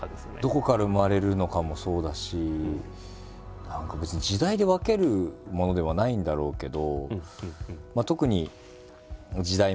どこから生まれるのかもそうだし何か別に時代で分けるものではないんだろうけど。